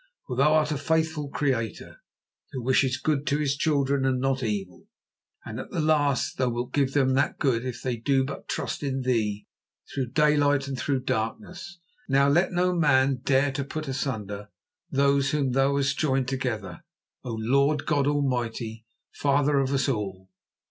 For Thou art a faithful Creator, Who wishes good to His children and not evil, and at the last Thou wilt give them that good if they do but trust in Thee through daylight and through darkness. Now let no man dare to put asunder those whom Thou hast joined together, O Lord God Almighty, Father of us all.